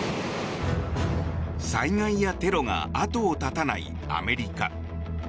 災害やテロが後を絶たないアメリカ。